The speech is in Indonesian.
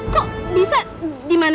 kok bisa dimana